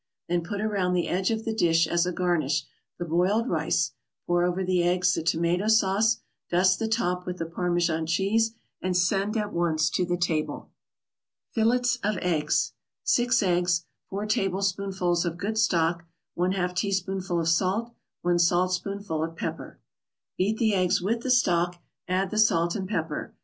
Then put around the edge of the dish as a garnish the boiled rice, pour over the eggs the tomato sauce, dust the top with the Parmesan cheese and send at once to the table. FILLETS OF EGGS 6 eggs 4 tablespoonfuls of good stock 1/2 teaspoonful of salt 1 saltspoonful of pepper Beat the eggs with the stock, add the salt and pepper.